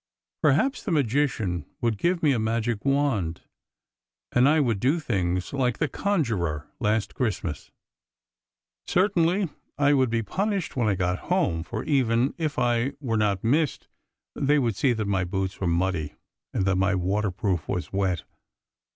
(Perhaps the magician would give me a magic wand, and I would do things like the conjurer last Christmas.) Certainly I would be punished when I got home, for even if I were not missed they would see that my boots were muddy and that my waterproof was wet.